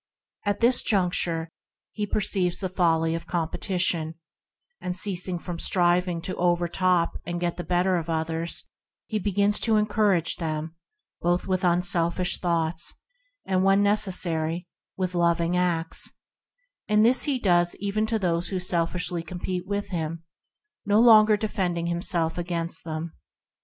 At this juncture he perceives the folly of competition, and ceasing from striving to overtop and get the better of others he begins to encourage them, both with unselfish thoughts and, when necessary, with loving acts; this he does even to those who selfishly com pete with him, no longer defending him self against them.